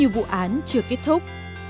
vụ án chưa kết thúc